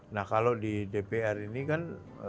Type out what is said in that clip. nah kalau di dpr ini kan